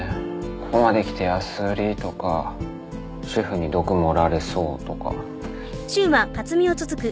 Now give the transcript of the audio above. ここまで来て安売りとかシェフに毒盛られそうとか。